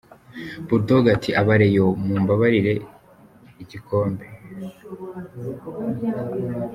Bull Dog ati Abareyo mu mbabarire igikombe.